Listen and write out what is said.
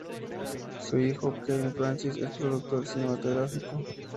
Su hijo Kevin Francis es productor cinematográfico.